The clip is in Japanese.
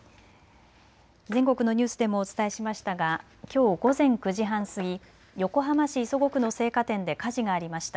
全国のニュースでもお伝えしましたがきょう午前９時半過ぎ、横浜市磯子区の青果店で火事がありました。